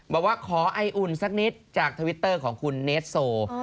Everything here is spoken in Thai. บอกว่าขอไออุ่นสักนิดจากทวิตเตอร์ของคุณเนสโซ